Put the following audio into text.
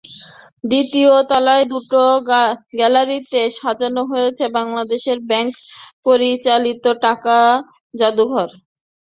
দ্বিতীয় তলায় দুটো গ্যালারিতে সাজানো হয়েছে বাংলাদেশ ব্যাংক পরিচালিত টাকা জাদুঘর।